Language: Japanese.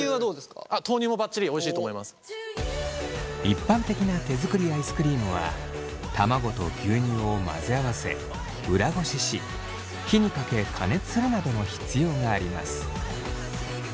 一般的な手作りアイスクリームは卵と牛乳を混ぜ合わせ裏ごしし火にかけ加熱するなどの必要があります。